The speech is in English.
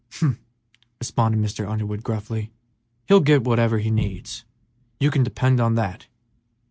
"Humph!" responded Mr. Underwood, gruffly; "he'll get whatever he needs, you can depend on that.